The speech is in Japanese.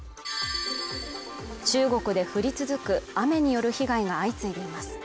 中国で降り続く雨による被害が相次いでいます